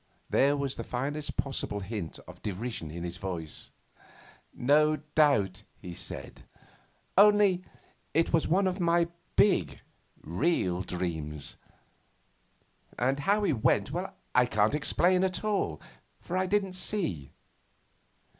There was the faintest possible hint of derision in his voice. 'No doubt,' he said; 'only it was one of my big, real dreams. And how he went I can't explain at all, for I didn't see.